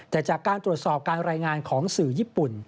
แต่จากการตรวจสอบการรายงานของสื่อญี่ปุ่น